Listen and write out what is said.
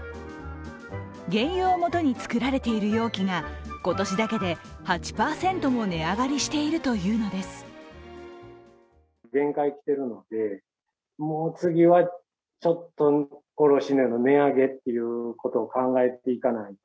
原油をもとに作られている容器が今年だけで８％も値上がりしているというのです。